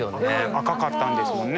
赤かったんですもんね。